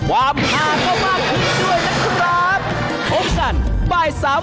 ความห่างเข้ามาคุณด้วยนะครับ